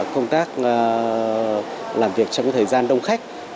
công tác làm việc trong thời gian đông khách